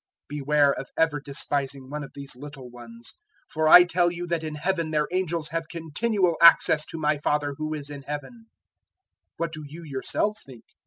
018:010 "Beware of ever despising one of these little ones, for I tell you that in Heaven their angels have continual access to my Father who is in Heaven. 018:011 [] 018:012 What do you yourselves think?